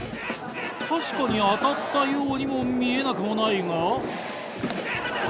確かに当たったようにも見えなくもないが。